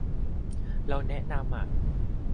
เราแนะนำอ่ะ